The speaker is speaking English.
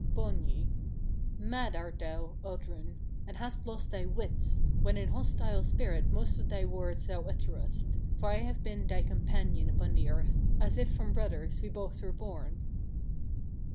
Borgny. 12. Mad art thou, Oddrun! and hast lost thy wits, when in hostile spirit most of thy words thou utterest; for I have been thy companion upon the earth, as if from brothers we both were born.